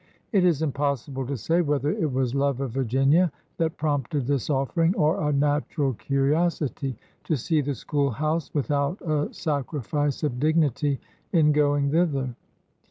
It is impossible to say whether it was love of Virginia that prompted this offering, or a natural curiosity to see the school house without a sacri fice of dignity in going thither.